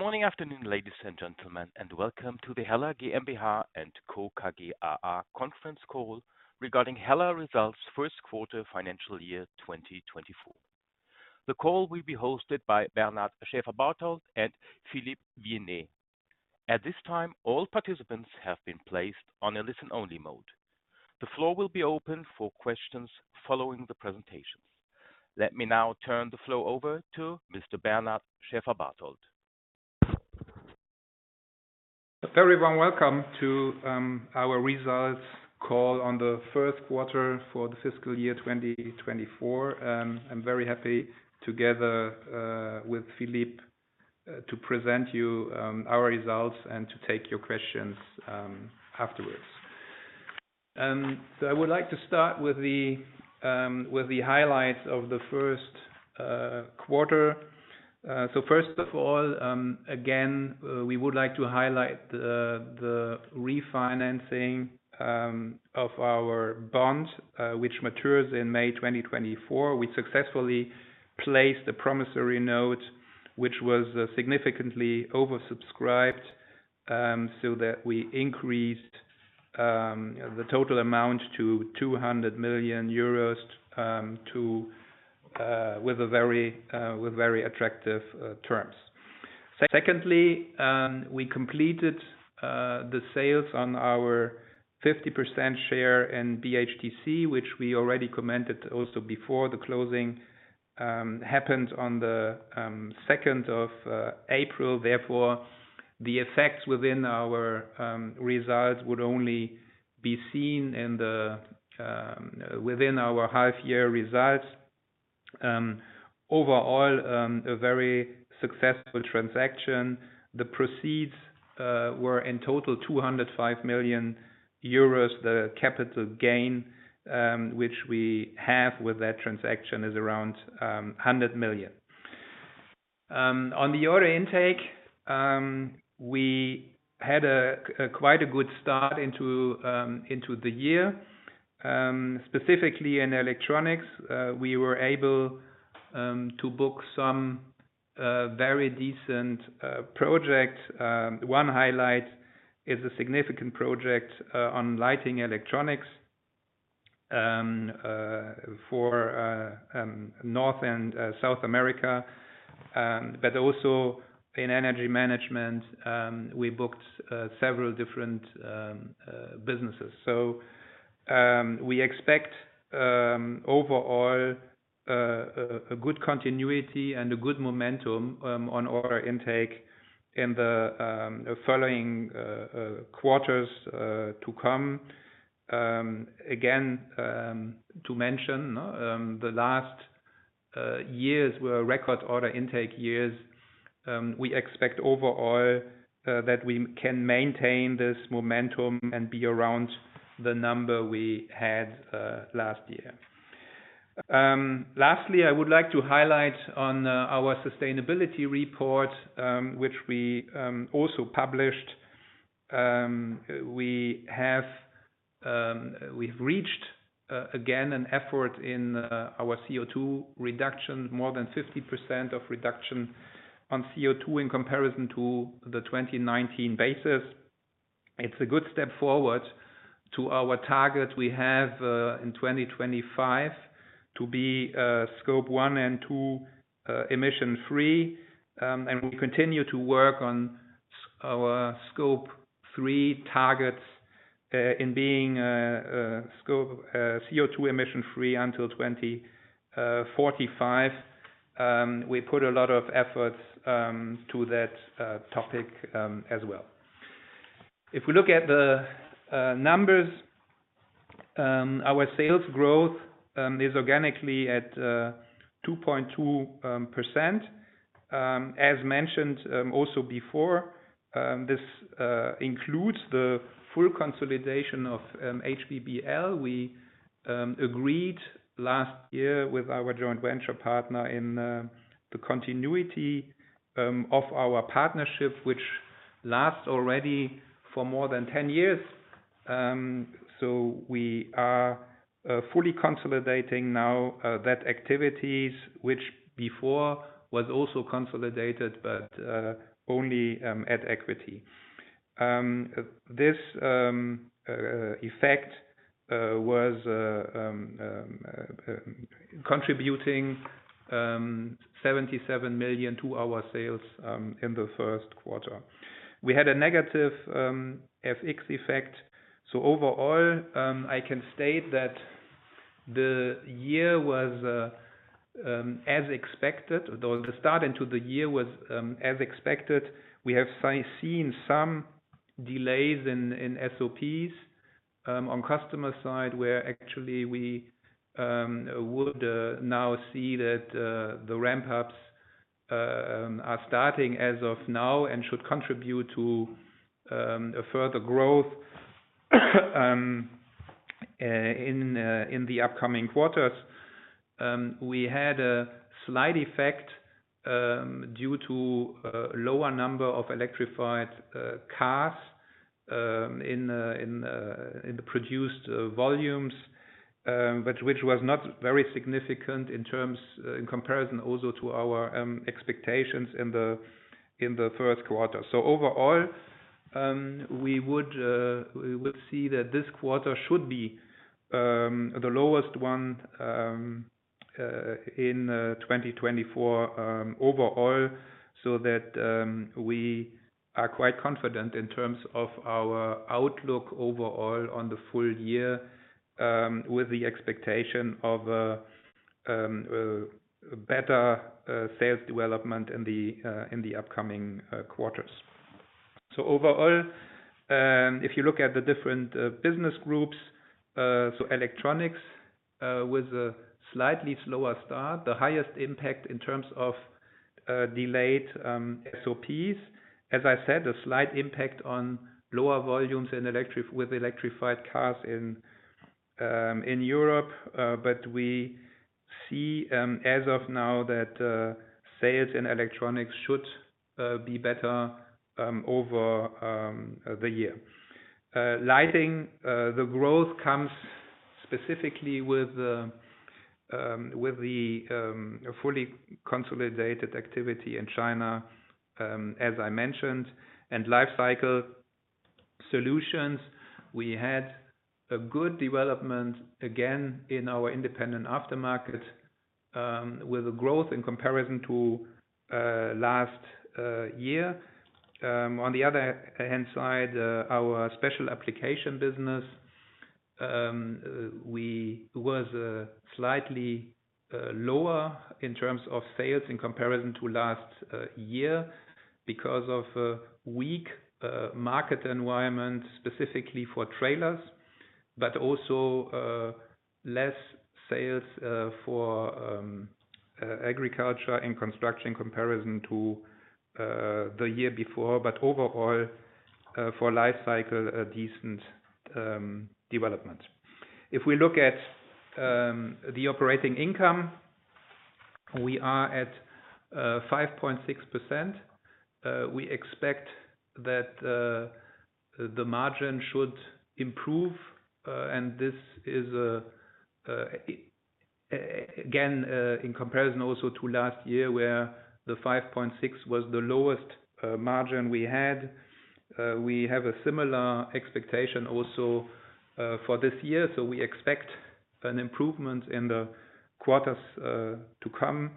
Good morning, afternoon, ladies and gentlemen, and welcome to the HELLA GmbH & Co. KGaA conference call regarding HELLA results first quarter financial year 2024. The call will be hosted by Bernard Schäferbarthold and Philippe Vienney. At this time, all participants have been placed on a listen-only mode. The floor will be open for questions following the presentations. Let me now turn the floor over to Mr. Bernard Schäferbarthold. Everyone, welcome to our results call on the first quarter for the fiscal year 2024. I'm very happy together with Philippe to present you our results and to take your questions afterwards. So I would like to start with the highlights of the first quarter. So first of all, again, we would like to highlight the refinancing of our bond, which matures in May 2024. We successfully placed a promissory note, which was significantly oversubscribed, so that we increased the total amount to 200 million euros with very attractive terms. Secondly, we completed the sales on our 50% share in BHTC, which we already commented also before. The closing happened on the 2nd of April. Therefore, the effects within our results would only be seen within our half-year results. Overall, a very successful transaction. The proceeds were in total 205 million euros. The capital gain, which we have with that transaction, is around 100 million. On the order intake, we had quite a good start into the year. Specifically in electronics, we were able to book some very decent projects. One highlight is a significant project on lighting electronics for North and South America. But also in energy management, we booked several different businesses. So we expect overall a good continuity and a good momentum on order intake in the following quarters to come. Again, to mention, the last years were record order intake years. We expect overall that we can maintain this momentum and be around the number we had last year. Lastly, I would like to highlight on our sustainability report, which we also published, we have reached again an effort in our CO2 reduction, more than 50% of reduction on CO2 in comparison to the 2019 basis. It's a good step forward to our target we have in 2025 to be Scope 1 and 2 emission-free. We continue to work on our Scope 3 targets in being CO2 emission-free until 2045. We put a lot of efforts to that topic as well. If we look at the numbers, our sales growth is organically at 2.2%. As mentioned also before, this includes the full consolidation of HBPL. We agreed last year with our joint venture partner in the continuity of our partnership, which lasts already for more than 10 years. We are fully consolidating now that activities, which before was also consolidated, but only at equity. This effect was contributing 77 million to our sales in the first quarter. We had a negative FX effect. Overall, I can state that the year was as expected. The start into the year was as expected. We have seen some delays in SOPs on customer side where actually we would now see that the ramp-ups are starting as of now and should contribute to further growth in the upcoming quarters. We had a slight effect due to a lower number of electrified cars in the produced volumes, which was not very significant in comparison also to our expectations in the first quarter. So overall, we would see that this quarter should be the lowest one in 2024 overall, so that we are quite confident in terms of our outlook overall on the full year with the expectation of better sales development in the upcoming quarters. So overall, if you look at the different business groups, so electronics with a slightly slower start, the highest impact in terms of delayed SOPs. As I said, a slight impact on lower volumes with electrified cars in Europe. But we see as of now that sales in electronics should be better over the year. Lighting, the growth comes specifically with the fully consolidated activity in China, as I mentioned. And lifecycle solutions, we had a good development again in our independent aftermarket with a growth in comparison to last year. On the other hand side, our special application business was slightly lower in terms of sales in comparison to last year because of a weak market environment specifically for trailers, but also less sales for agriculture and construction in comparison to the year before. But overall, for lifecycle, a decent development. If we look at the operating income, we are at 5.6%. We expect that the margin should improve. And this is again in comparison also to last year where the 5.6% was the lowest margin we had. We have a similar expectation also for this year. So we expect an improvement in the quarters to come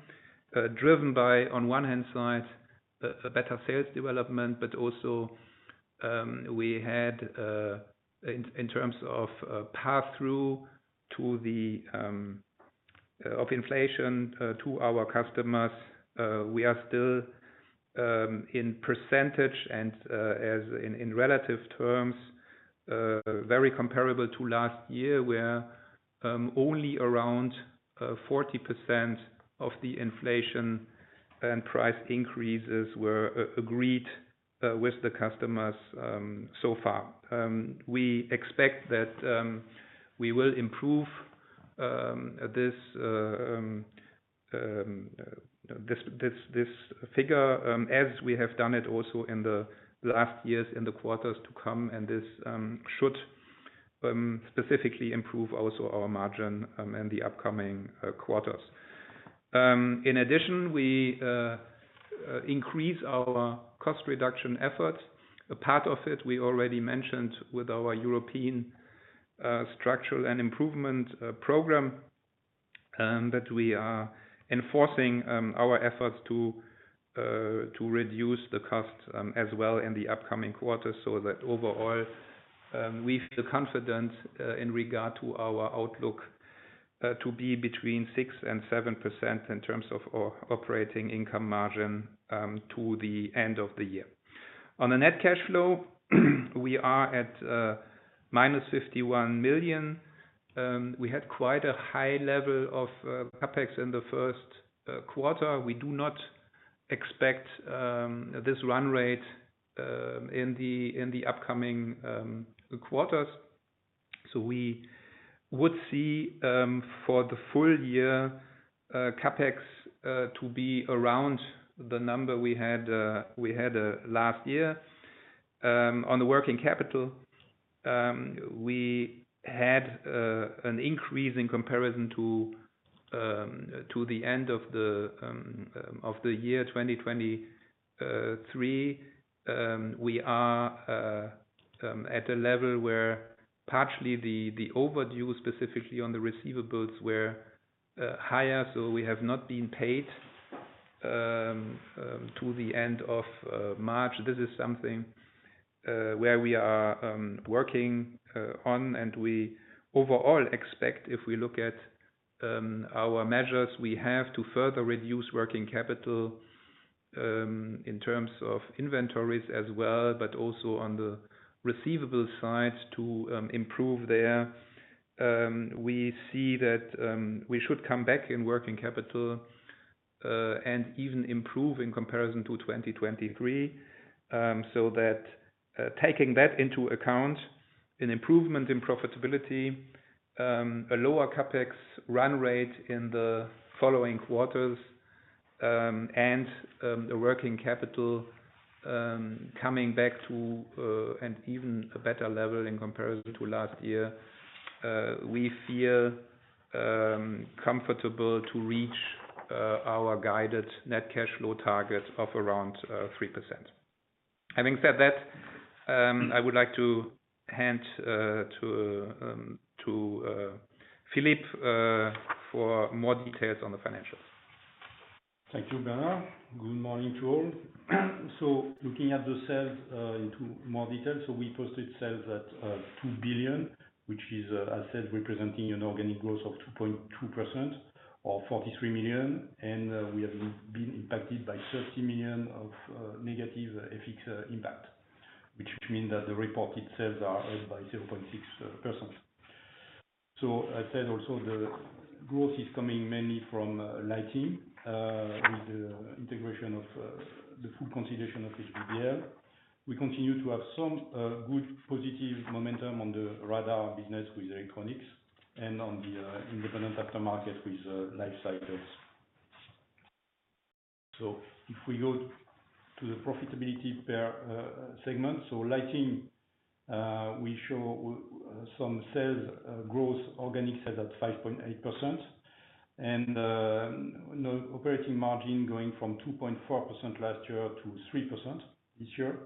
driven by, on one hand side, better sales development, but also we had in terms of pass-through of inflation to our customers, we are still in percentage and in relative terms very comparable to last year where only around 40% of the inflation and price increases were agreed with the customers so far. We expect that we will improve this figure as we have done it also in the last years in the quarters to come. And this should specifically improve also our margin in the upcoming quarters. In addition, we increase our cost reduction efforts. A part of it, we already mentioned with our European structural and improvement program, that we are enforcing our efforts to reduce the cost as well in the upcoming quarters so that overall we feel confident in regard to our outlook to be between 6% and 7% in terms of our operating income margin to the end of the year. On the Net Cash Flow, we are at -51 million. We had quite a high level of CapEx in the first quarter. We do not expect this run rate in the upcoming quarters. So we would see for the full year CapEx to be around the number we had last year. On the Working Capital, we had an increase in comparison to the end of the year 2023. We are at a level where partially the overdue specifically on the receivables were higher. So we have not been paid to the end of March. This is something where we are working on. And we overall expect, if we look at our measures, we have to further reduce working capital in terms of inventories as well, but also on the receivable side to improve there. We see that we should come back in working capital and even improve in comparison to 2023. So that taking that into account, an improvement in profitability, a lower CapEx run rate in the following quarters, and a working capital coming back to an even better level in comparison to last year, we feel comfortable to reach our guided net cash flow target of around 3%. Having said that, I would like to hand to Philippe for more details on the financials. Thank you, Bernard. Good morning to all. So looking at the sales into more details, so we posted sales at 2 billion, which is assets representing an organic growth of 2.2% or 43 million. And we have been impacted by 30 million of negative FX impact, which means that the reported sales are up by 0.6%. So as said also, the growth is coming mainly from lighting with the integration of the full consolidation of HBPL. We continue to have some good positive momentum on the radar business with electronics and on the independent aftermarket with life cycle. So if we go to the profitability segment, so lighting, we show some sales growth, organic sales at 5.8% and operating margin going from 2.4% last year to 3% this year.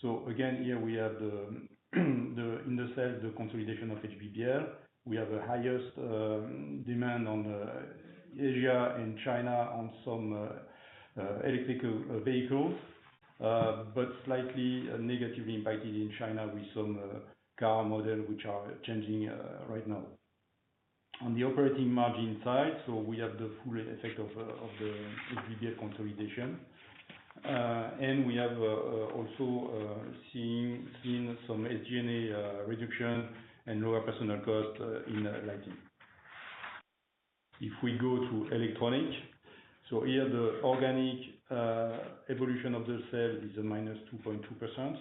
So again, here we have in the sales, the consolidation of HBPL. We have a highest demand on Asia and China on some electrical vehicles, but slightly negatively impacted in China with some car models which are changing right now. On the operating margin side, we have the full effect of the HBPL consolidation. We have also seen some SG&A reduction and lower personnel cost in lighting. If we go to electronics, here the organic evolution of the sales is a -2.2%.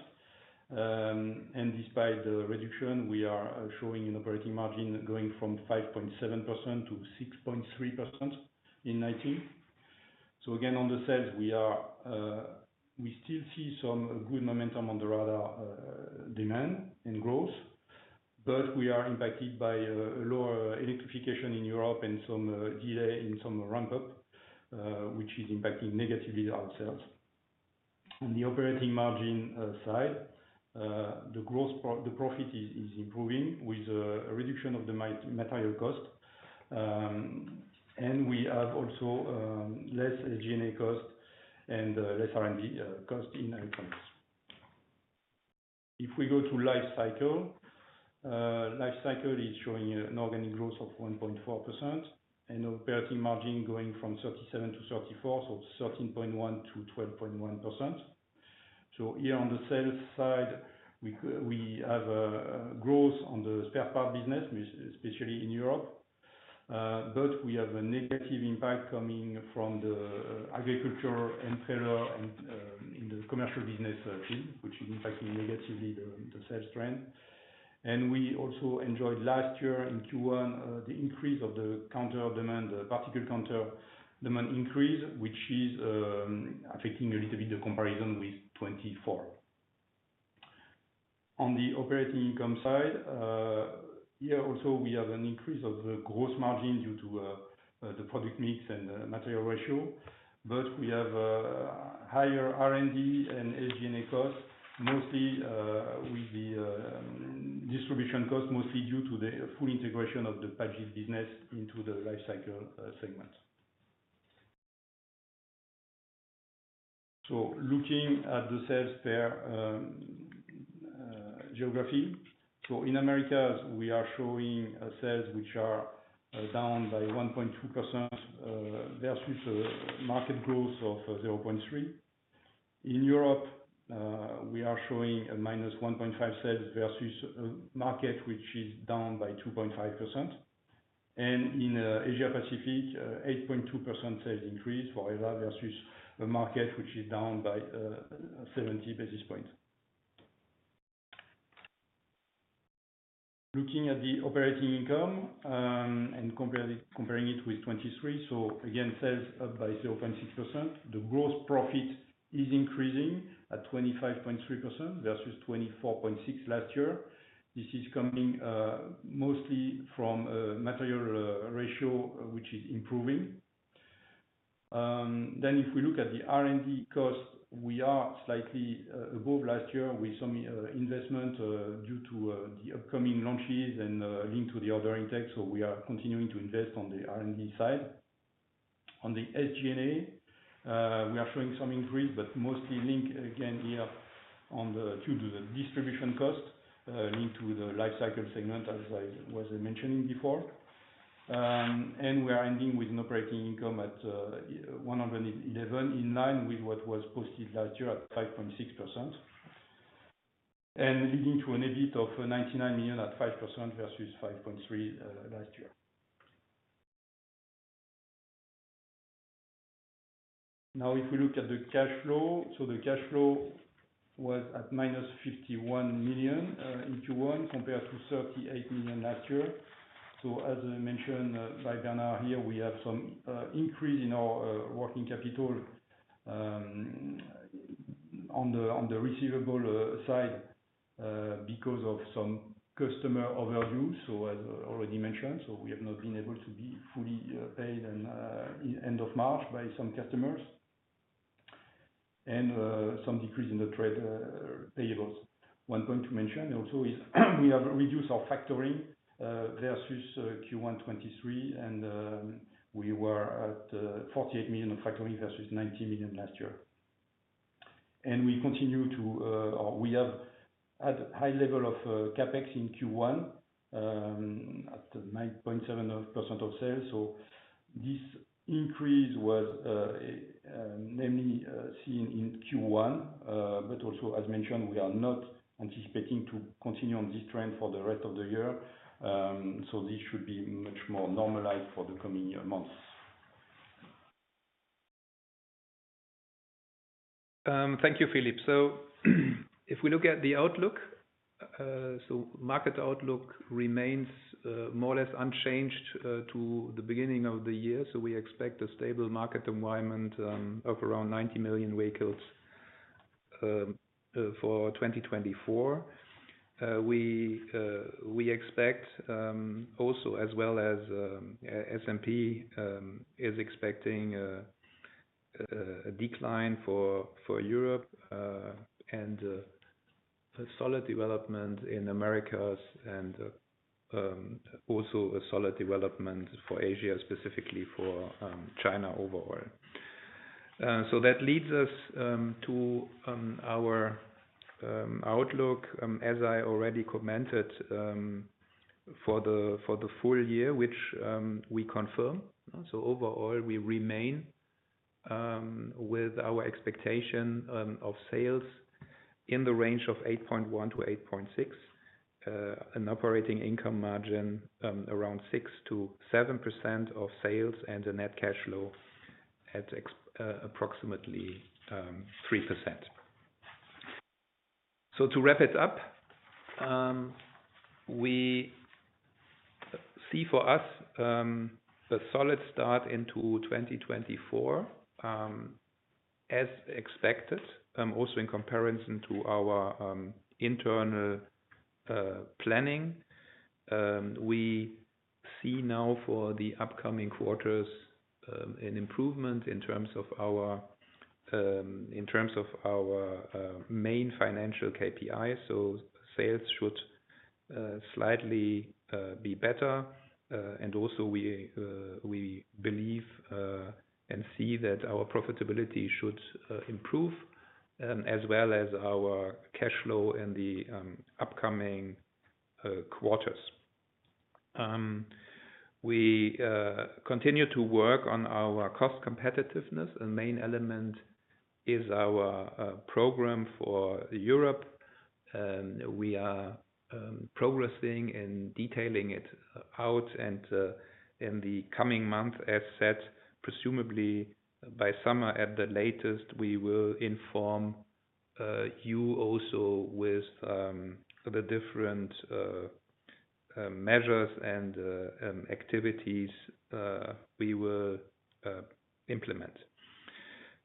Despite the reduction, we are showing an operating margin going from 5.7%-6.3% in lighting. Again, on the sales, we still see some good momentum on the radar demand and growth. We are impacted by a lower electrification in Europe and some delay in some ramp-up, which is impacting negatively our sales. On the operating margin side, the profit is improving with a reduction of the material cost. We have also less SG&A cost and less R&D cost in electronics. If we go to life cycle, life cycle is showing an organic growth of 1.4% and an operating margin going from 37%-34%, so 13.1%-12.1%. Here on the sales side, we have growth on the spare part business, especially in Europe. We have a negative impact coming from the agriculture and trailer and in the commercial business field, which is impacting negatively the sales trend. We also enjoyed last year in Q1 the increase of the counter demand, particle counter demand increase, which is affecting a little bit the comparison with 2024. On the operating income side, here also we have an increase of the gross margin due to the product mix and the material ratio. But we have higher R&D and SG&A costs, mostly with the distribution costs, mostly due to the full integration of the Pagid business into the life cycle segment. So looking at the sales per geography, so in America, we are showing sales which are down by 1.2% versus market growth of 0.3%. In Europe, we are showing a -1.5% sales versus market, which is down by 2.5%. And in Asia-Pacific, 8.2% sales increase for Asia versus the market which is down by 70 basis points. Looking at the operating income and comparing it with 2023, so again, sales up by 0.6%. The gross profit is increasing at 25.3% versus 24.6% last year. This is coming mostly from a material ratio, which is improving. Then if we look at the R&D cost, we are slightly above last year with some investment due to the upcoming launches and linked to the order intake. We are continuing to invest on the R&D side. On the SG&A, we are showing some increase, but mostly linked again here due to the distribution cost linked to the life cycle segment, as I was mentioning before. We are ending with an operating income at 111 million in line with what was posted last year at 5.6% and leading to an EBIT of 99 million at 5% versus 5.3% last year. Now, if we look at the cash flow, the cash flow was at -51 million in Q1 compared to 38 million last year. As mentioned by Bernard here, we have some increase in our working capital on the receivable side because of some customer overdue. So, as already mentioned, we have not been able to be fully paid at the end of March by some customers and some decrease in the trade payables. One point to mention also is we have reduced our factoring versus Q1 2023. And we were at 48 million of factoring versus 90 million last year. And we continue to or we have had high level of CapEx in Q1 at 9.7% of sales. So this increase was namely seen in Q1. But also, as mentioned, we are not anticipating to continue on this trend for the rest of the year. So this should be much more normalized for the coming months. Thank you, Philippe. So if we look at the outlook, so market outlook remains more or less unchanged to the beginning of the year. So we expect a stable market environment of around 90 million vehicles for 2024. We expect also, as well as S&P is expecting a decline for Europe and a solid development in America and also a solid development for Asia, specifically for China overall. So that leads us to our outlook, as I already commented, for the full year, which we confirm. So overall, we remain with our expectation of sales in the range of 8.1%-8.6%, an operating income margin around 6%-7% of sales, and a net cash flow at approximately 3%. So to wrap it up, we see for us a solid start into 2024 as expected, also in comparison to our internal planning. We see now for the upcoming quarters an improvement in terms of our main financial KPIs. So sales should slightly be better. Also we believe and see that our profitability should improve as well as our cash flow in the upcoming quarters. We continue to work on our cost competitiveness. A main element is our program for Europe. We are progressing in detailing it out. In the coming months, as said, presumably by summer at the latest, we will inform you also with the different measures and activities we will implement.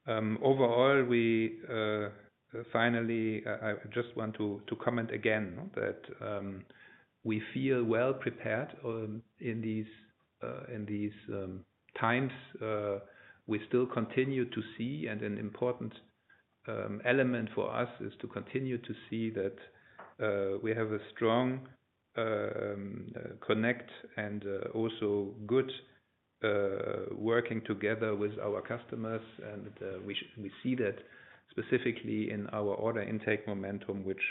Overall, we finally I just want to comment again that we feel well prepared in these times. We still continue to see and an important element for us is to continue to see that we have a strong connect and also good working together with our customers. We see that specifically in our order intake momentum, which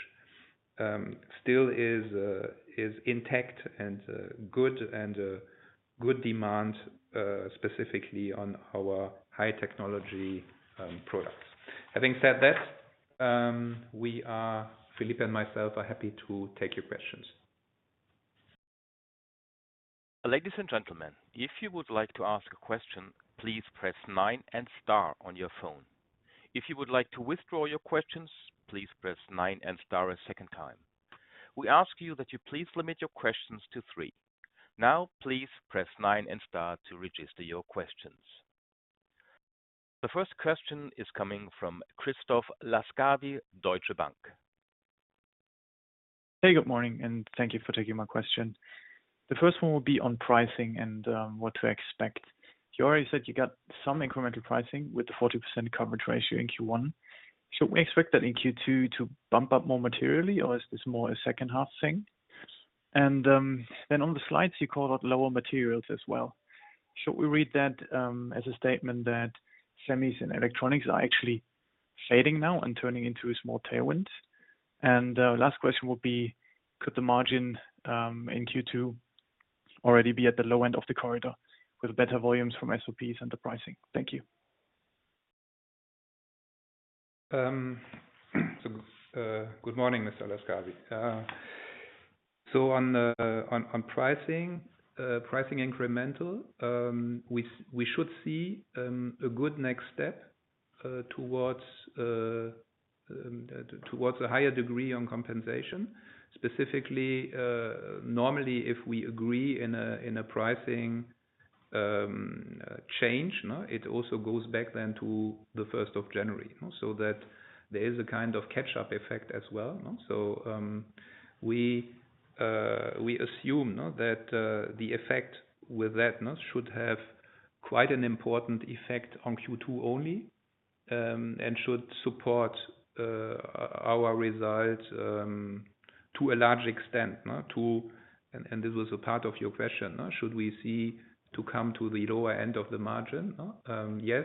still is intact and good and good demand specifically on our high technology products. Having said that, we, Philippe and myself, are happy to take your questions. Ladies and gentlemen, if you would like to ask a question, please press nine and star on your phone. If you would like to withdraw your questions, please press nine and star a second time. We ask you that you please limit your questions to three. Now, please press nine and star to register your questions. The first question is coming from Christoph Laskawi, Deutsche Bank. Hey, good morning. And thank you for taking my question. The first one will be on pricing and what to expect. You already said you got some incremental pricing with the 40% coverage ratio in Q1. Should we expect that in Q2 to bump up more materially, or is this more a second-half thing? And then on the slides, you call out lower materials as well. Should we read that as a statement that semis and electronics are actually fading now and turning into a small tailwind? And last question will be, could the margin in Q2 already be at the low end of the corridor with better volumes from SOPs and the pricing? Thank you. Good morning, Mr. Laskawi. On pricing, pricing incremental, we should see a good next step towards a higher degree on compensation. Specifically, normally, if we agree in a pricing change, it also goes back then to the 1st of January so that there is a kind of catch-up effect as well. We assume that the effect with that should have quite an important effect on Q2 only and should support our result to a large extent. And this was a part of your question. Should we see to come to the lower end of the margin? Yes.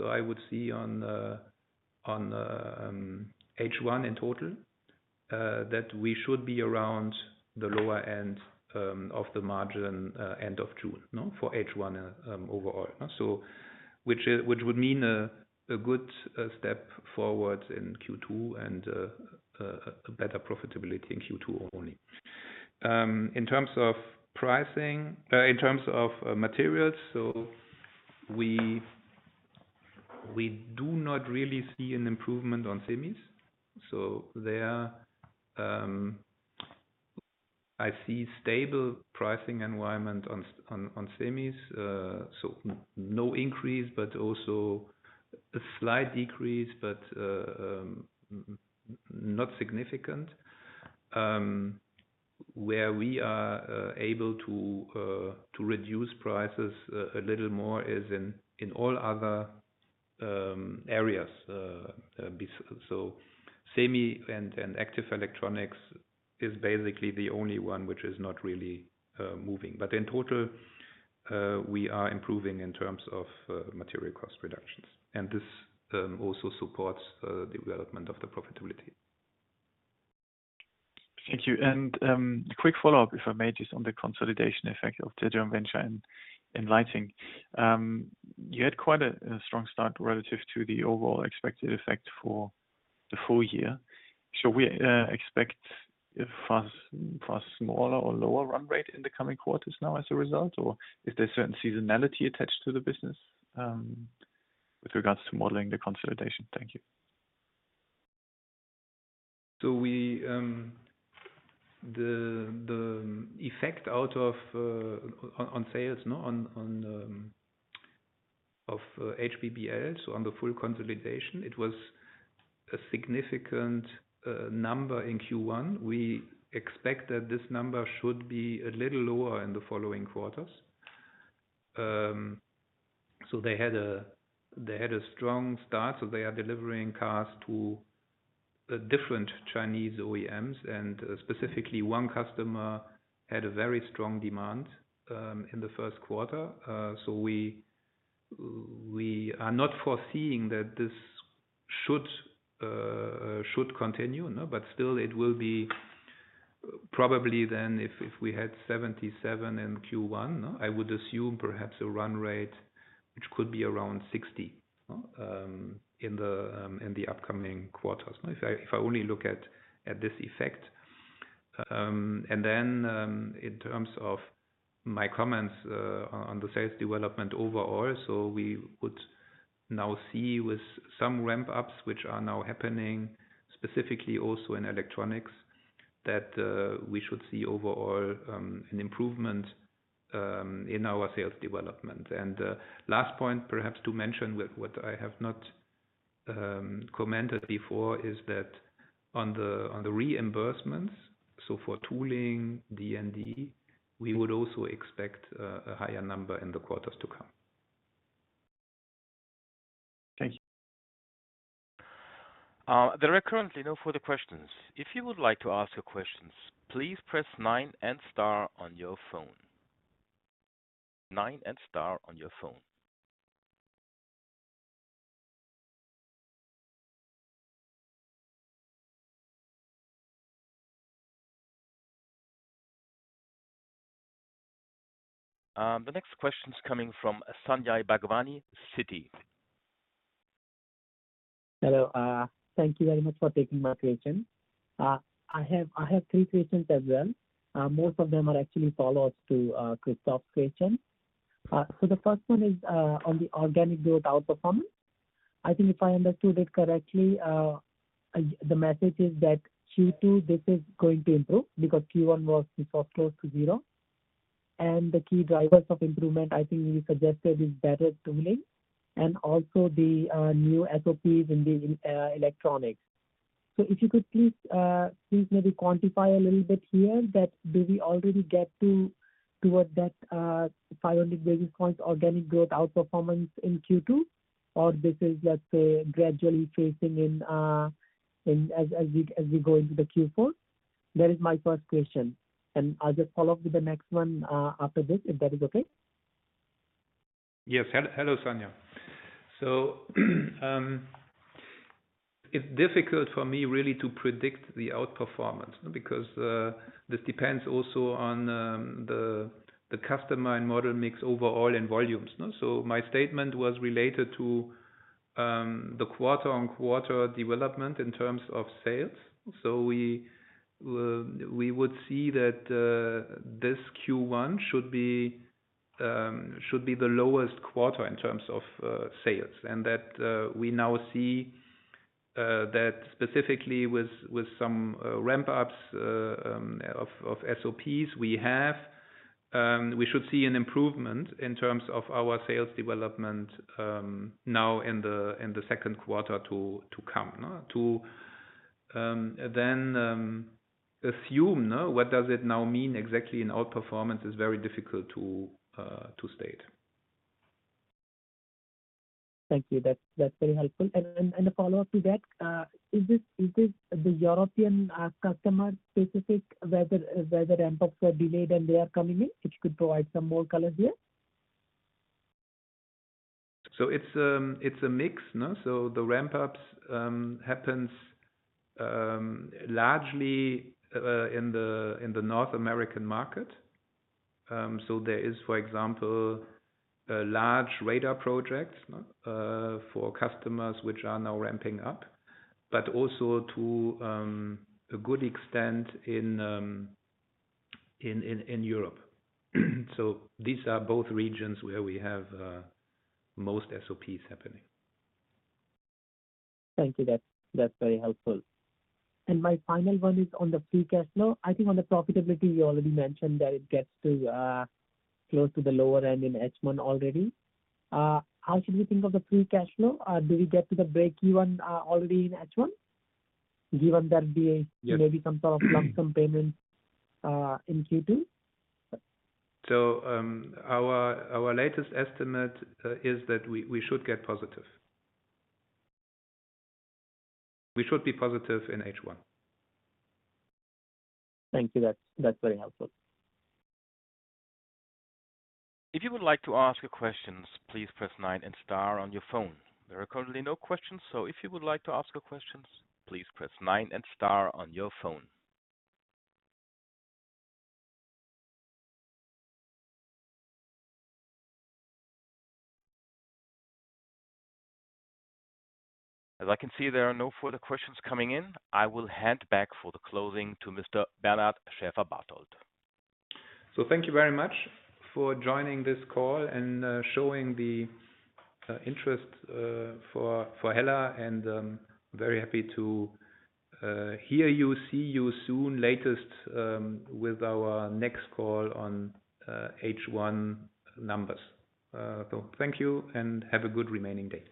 I would see on H1 in total that we should be around the lower end of the margin end of June for H1 overall, which would mean a good step forward in Q2 and a better profitability in Q2 only. In terms of pricing, in terms of materials, so we do not really see an improvement on semis. So I see stable pricing environment on semis. So no increase, but also a slight decrease, but not significant. Where we are able to reduce prices a little more is in all other areas. So semi and active electronics is basically the only one which is not really moving. But in total, we are improving in terms of material cost reductions. And this also supports the development of the profitability. Thank you. And a quick follow-up, if I may, just on the consolidation effect of joint venture in lighting. You had quite a strong start relative to the overall expected effect for the full year. Should we expect a far smaller or lower run rate in the coming quarters now as a result, or is there certain seasonality attached to the business with regards to modeling the consolidation? Thank you. So the effect out of on sales of HBBL, so on the full consolidation, it was a significant number in Q1. We expect that this number should be a little lower in the following quarters. So they had a strong start. So they are delivering cars to different Chinese OEMs. And specifically, one customer had a very strong demand in the first quarter. So we are not foreseeing that this should continue. But still, it will be probably then if we had 77 million in Q1, I would assume perhaps a run rate which could be around 60 million in the upcoming quarters, if I only look at this effect. And then in terms of my comments on the sales development overall, so we would now see with some ramp-ups which are now happening specifically also in electronics that we should see overall an improvement in our sales development. Last point, perhaps to mention what I have not commented before is that on the reimbursements, so for tooling, D&D, we would also expect a higher number in the quarters to come. Thank you. There are currently no further questions. If you would like to ask your questions, please press nine and star on your phone, nine and star on your phone. The next question is coming from Sanjay Bhagwani, Citigroup. Hello. Thank you very much for taking my question. I have 3 questions as well. Most of them are actually follow-ups to Christoph's question. The first one is on the organic growth outperformance. I think if I understood it correctly, the message is that Q2, this is going to improve because Q1 was close to zero. The key drivers of improvement, I think you suggested, is better tooling and also the new SOPs in the electronics. If you could please maybe quantify a little bit here that do we already get toward that 500 basis points organic growth outperformance in Q2, or this is, let's say, gradually phasing in as we go into the Q4? That is my first question. I'll just follow up with the next one after this, if that is okay. Yes. Hello, Sanjay. So it's difficult for me really to predict the outperformance because this depends also on the customer and model mix overall and volumes. So my statement was related to the quarter-on-quarter development in terms of sales. So we would see that this Q1 should be the lowest quarter in terms of sales. And that we now see that specifically with some ramp-ups of SOPs, we should see an improvement in terms of our sales development now in the second quarter to come. To then assume what does it now mean exactly in outperformance is very difficult to state. Thank you. That's very helpful. And a follow-up to that, is this the European customer-specific whether ramp-ups were delayed and they are coming in? If you could provide some more color here. It's a mix. The ramp-ups happen largely in the North American market. There is, for example, large radar projects for customers which are now ramping up, but also to a good extent in Europe. These are both regions where we have most SOPs happening. Thank you. That's very helpful. My final one is on the free cash flow. I think on the profitability, you already mentioned that it gets close to the lower end in H1 already. How should we think of the free cash flow? Do we get to the break-even already in H1, given there'd be maybe some sort of lump sum payments in Q2? Our latest estimate is that we should get positive. We should be positive in H1. Thank you. That's very helpful. If you would like to ask your questions, please press 9 and star on your phone. There are currently no questions. So if you would like to ask your questions, please press 9 and star on your phone. As I can see, there are no further questions coming in. I will hand back for the closing to Mr. Bernard Schäferbarthold. Thank you very much for joining this call and showing the interest for HELLA. I'm very happy to hear you, see you soon, latest with our next call on H1 numbers. Thank you and have a good remaining day.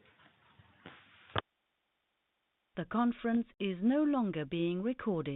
The conference is no longer being recorded.